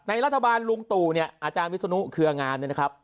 รัฐบาลลุงตู่เนี่ยอาจารย์วิศนุเครืองามเนี่ยนะครับ